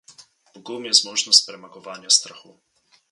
Pogum je zmožnost premagovanja strahu.